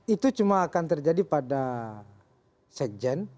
itu cuma akan terjadi pada sekjen